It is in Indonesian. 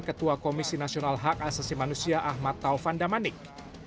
ketua komisi nasional hak asasi manusia ahmad taufan damanik